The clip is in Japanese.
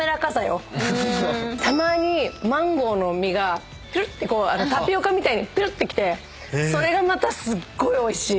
たまにマンゴーの実がタピオカみたいにトゥルってきてそれがまたすっごいおいしい！